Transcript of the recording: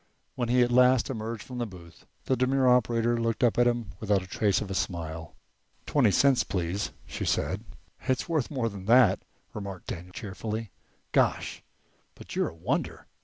When he at last emerged from the booth the demure operator looked up at him without the trace of a smile. "Twenty cents, please," she said. "It's worth more than that," remarked Daniel cheerfully. "Gosh, but you're a wonder!